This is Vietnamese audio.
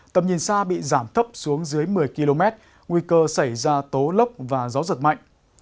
tầm nhìn xa bị giảm thấp xuống dưới một mươi km nguy cơ xảy ra tố lốc và gió giật mạnh